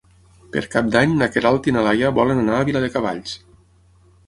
Per Cap d'Any na Queralt i na Laia volen anar a Viladecavalls.